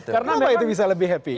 kenapa itu bisa lebih happy